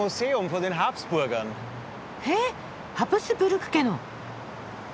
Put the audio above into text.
へハプスブルク家の。